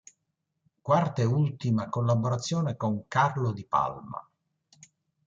Quarta e ultima collaborazione con Carlo Di Palma.